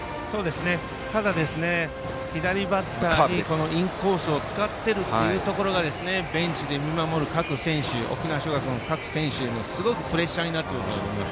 ただ、左バッターにインコースを使ってるというところがベンチで見守る沖縄尚学の各選手にすごくプレッシャーになっていると思います。